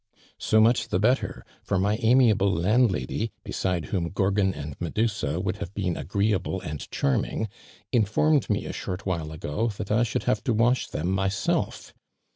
"So much the better; for my amiable landlady, beside whom Gorgon and Medusa would have been agreeable and charming, informed me a short while ago that I should have to wash them myself.